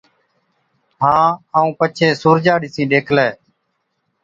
هان، ائُون پڇي سُورجا ڏِسِين ڏيکلَي،